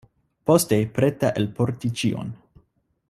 Poste, preta elporti ĉion.